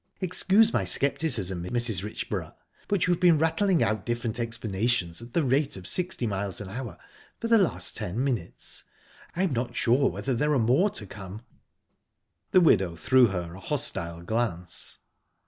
Excuse my scepticism, Mrs. Richborough, but you've been rattling out different explanations at the rate of sixty miles an hour for the last ten minutes. I'm not sure whether there are more to come." The widow threw her a hostile glance.